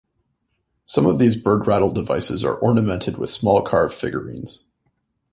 Some of these bird-rattle devices are ornamented with small carved figurines.